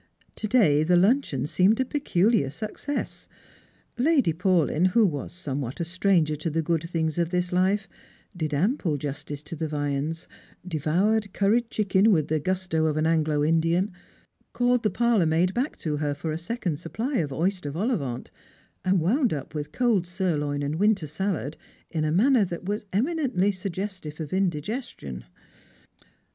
To day the luncheon seemed a peculiar success. Lady Paulyn, who was somewhat a stranger to the good things of this life, did ample justice to the viands, devoured curried chicken with the gusto of an Anglo Indian, called the parlour maid back to her for a second supply of oyster vol au vent, and wound up with cold sirloin and winter salad, in a manner that was eminently suggestive of indigestion.